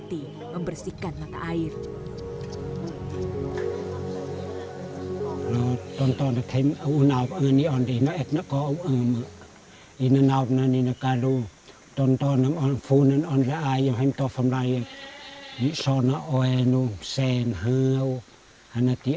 dia tersendiri di boti dengan budayanya unik sekali